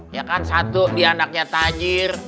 ya kan satu dia anaknya tajir